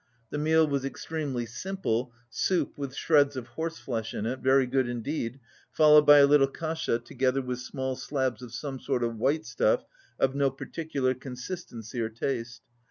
The meal was extremely simple, soup with shreds of horse flesh in it, very good indeed, followed by a little kasha together with small slabs of some sort of white stuff of no particular consistency or taste.